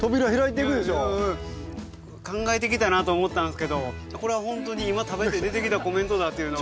考えてきたなと思ったんですけどこれはほんとに今食べて出てきたコメントだっていうのが。